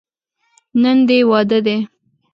نن دې واده دی.